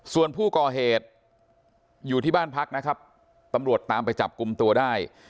ส่วนผู้ก่อเหตุอยู่ที่บ้านพักนะครับตำรวจตามไปจับกลุ่มตัวได้